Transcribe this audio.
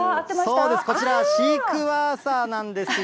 そうです、こちらはシークワーサーなんですよ。